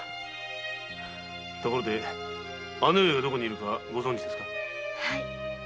ところで姉上がどこに居るかご存知ですか？